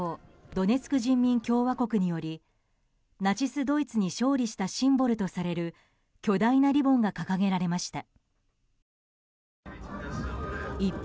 ドネツク人民共和国によりナチスドイツに勝利したシンボルとされる巨大なリボンが掲げられました。